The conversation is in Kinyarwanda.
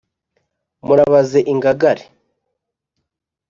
murabaze ingangare